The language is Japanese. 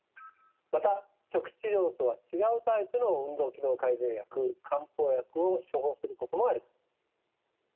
また初期治療とは違うタイプの運動機能改善薬・漢方薬を処方することもある。